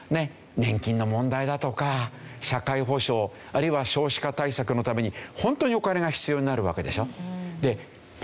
年金の問題だとか社会保障あるいは少子化対策のために本当にお金が必要になるわけでしょ。